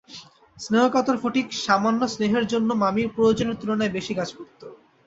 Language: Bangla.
স্নেহকাতর ফটিক সামান্য স্নেহের জন্য মামির প্রয়োজনের তুলনায় বেশি কাজ করত।